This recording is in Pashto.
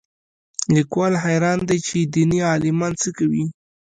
لیکوال حیران دی چې دیني عالمان څه کوي